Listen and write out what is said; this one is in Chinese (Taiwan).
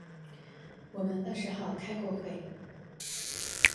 我們二十號開過會